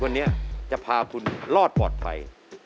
วันนี้จะพาคุณรอดปลอดภัย